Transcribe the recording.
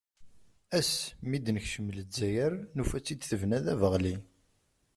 Ass mi d-nekcem lezzayer, nufa-tt-id tebna d abeɣli.